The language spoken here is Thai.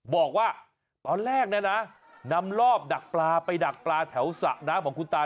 บอกว่าตอนแรกเนี่ยนะนำรอบดักปลาไปดักปลาแถวสระน้ำของคุณตา